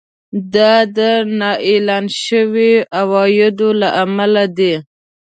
دا د نااعلان شويو عوایدو له امله دی